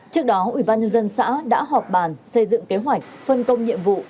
trước đó ủy ban nhân dân xã đã họp bàn xây dựng kế hoạch phân công nhiệm vụ